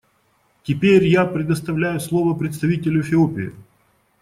Теперь я предоставляю слово представителю Эфиопии.